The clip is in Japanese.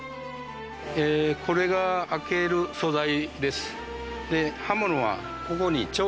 これがあける素材です。